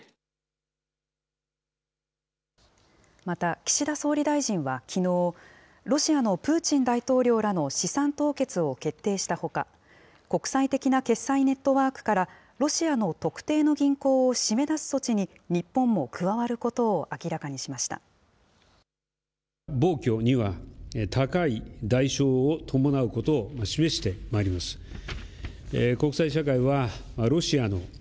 また、岸田総理大臣はきのう、ロシアのプーチン大統領らの資産凍結を決定したほか、国際的な決済ネットワークからロシアの特定の銀行を締め出す措置に日本も加わることを明らかにしました。